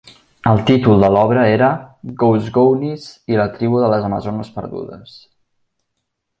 El títol de l'obra era "Gousgounis i la tribu de les amazones perdudes".